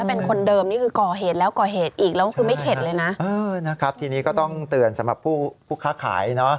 เป็นคนเดิมนี่คือก่อเหตุแล้วก่อเหตุอีกแล้วก็คือไม่เข็ดเลยนะเออนะครับทีนี้ก็ต้องเตือนสำหรับผู้ค้าขายเนอะ